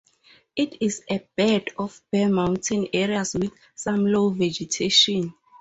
It is a bird of bare mountain areas with some low vegetation.